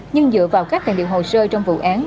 nhưng dựa vào các tài liệu hồ sơ trong vụ án